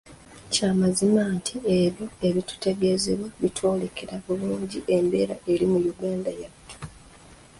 Kya mazima nti ebyo ebitutegeezebwa bitwolekera bulungi embeera eri mu Uganda yattu.